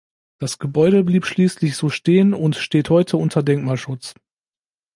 Das Gebäude blieb schließlich so stehen und steht heute unter Denkmalschutz.